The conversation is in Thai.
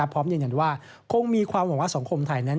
พร้อมยืนยันว่าคงมีความหวังว่าสังคมไทยนั้น